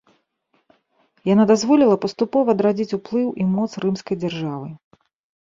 Яна дазволіла паступова адрадзіць уплыў і моц рымскай дзяржавы.